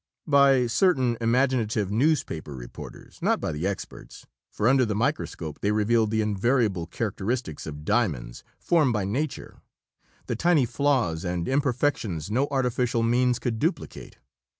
"By certain imaginative newspaper reporters, not by the experts, for under the microscope they revealed the invariable characteristics of diamonds formed by nature the tiny flaws and imperfections no artificial means could duplicate."